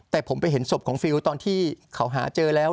แต่ผมไปเห็นศพของฟิลตอนที่เขาหาเจอแล้ว